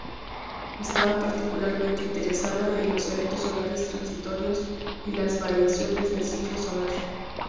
Estaba particularmente interesada en los eventos solares transitorios y las variaciones del ciclo solar.